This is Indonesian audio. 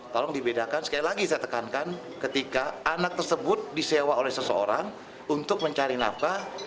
tolong dibedakan sekali lagi saya tekankan ketika anak tersebut disewa oleh seseorang untuk mencari nafkah